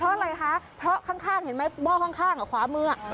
เพราะอะไรคะเพราะข้างเห็นไหมหม้อข้างกับขวามือ